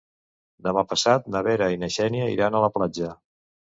Demà passat na Vera i na Xènia iran a la platja.